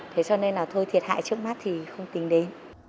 thế cho nên là thôi thiệt hại trước mắt thì không tính đến